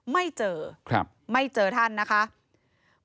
ไม่เจอไม่เจอท่านนะคะ